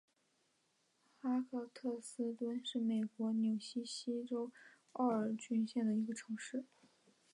哈克特斯敦是美国纽泽西州沃伦郡的一个城市。